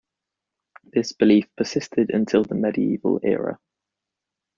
This belief persisted until the Medieval era.